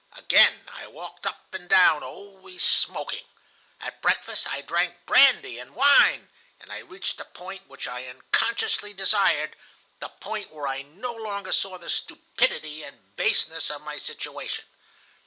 Again I walked up and down, always smoking. At breakfast I drank brandy and wine, and I reached the point which I unconsciously desired, the point where I no longer saw the stupidity and baseness of my situation.